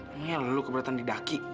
emangnya lu keberatan didaki